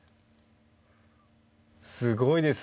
すごいですね。